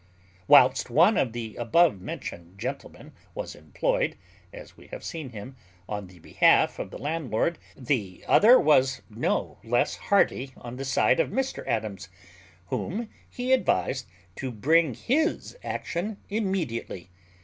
Whilst one of the above mentioned gentlemen was employed, as we have seen him, on the behalf of the landlord, the other was no less hearty on the side of Mr Adams, whom he advised to bring his action immediately.